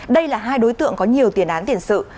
đây là hai đối tượng có nhiều tiền án tiền sự